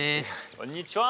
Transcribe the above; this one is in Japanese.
こんにちは。